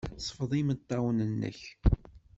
Sfeḍ imeṭṭawen-nnek.